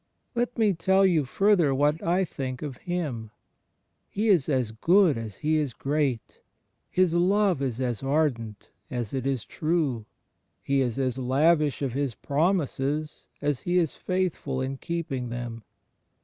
Let me tell you further what I think of Him. He is as good as He is great. His love is as ardent as it is true. He is as lavish of His promises as He is faithful in keep ing them.